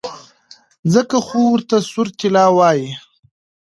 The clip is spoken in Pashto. ځکه خو ورته سور طلا وايي.